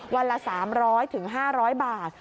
วันละ๓๐๐๕๐๐บาท